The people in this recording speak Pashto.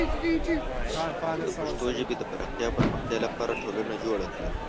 د پښتو ژبې د پراختیا او پرمختیا لپاره ټولنه جوړه کړه.